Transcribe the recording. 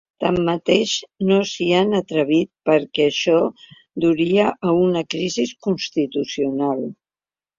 Tanmateix, no s’hi han atrevit perquè això duria a ‘una crisi constitucional’.